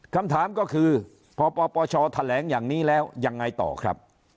คำถามก็คือพอปปชแถลงอย่างนี้แล้วยังไงต่อครับ